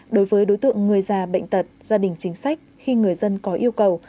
đối với đối tượng người già bệnh tật gia đình chính sách khi người dân có yêu cầu